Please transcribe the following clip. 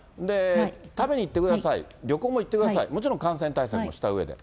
食べに行ってください、旅行も行ってください、もちろん感染対策もしたうえで。